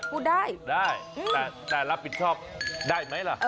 พูดได้ได้แต่รับผิดชอบได้ไหมล่ะ